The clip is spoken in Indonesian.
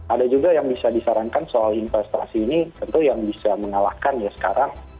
ada juga yang bisa disarankan soal investasi ini tentu yang bisa mengalahkan ya sekarang